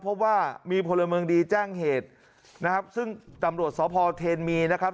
เพราะว่ามีพลเมืองดีแจ้งเหตุซึ่งตำรวจสเทนมีนะครับ